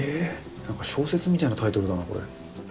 なんか小説みたいなタイトルだな、これ。